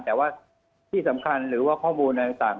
แต่ว่าที่สำคัญหรือว่าข้อมูลอะไรต่าง